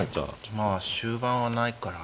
まあ終盤はないから。